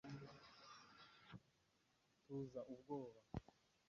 tuza ubwoba